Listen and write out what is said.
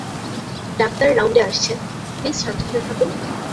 Doctor রাউন্ডে আসছেন, please শান্ত হয়ে থাকুন।